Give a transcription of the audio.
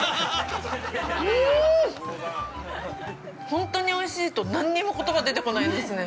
本当においしいと何にも言葉が出てこないんですね。